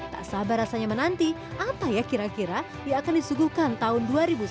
tak sabar rasanya menanti apa ya kira kira yang akan disuguhkan tahun dua ribu sembilan belas